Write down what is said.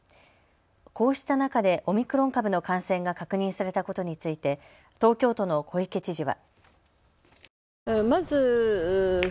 こうした中でオミクロン株の感染が確認されたことについて東京都の小池知事は。